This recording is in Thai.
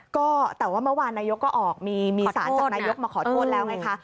ก็แต่ว่าเมื่อวานนายกก็ออกมีสารจากนายกมาขอโทษแล้วไงคะ